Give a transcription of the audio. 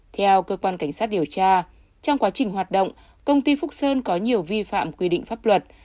theo cơ quan cảnh sát điều tra trong quá trình hoạt động công ty phúc sơn có nhiều vi phạm quy định pháp luật